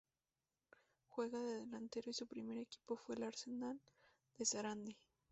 Juega de delantero y su primer equipo fue Arsenal de Sarandí.